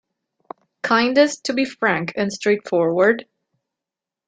Kindest to be frank and straightforward?